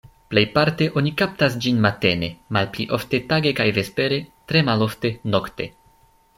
Plejparte oni kaptas ĝin matene, malpli ofte tage kaj vespere, tre malofte nokte.